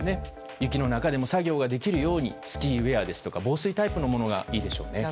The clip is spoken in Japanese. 雪の中でも作業ができるようにスキーウェアですとか防水タイプのものがいいでしょうね。